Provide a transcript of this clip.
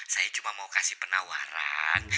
saya cuma mau kasih penawaran